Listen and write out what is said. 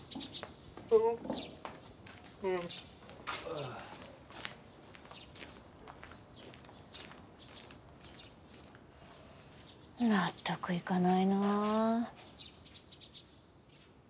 ああ。納得いかないなあ。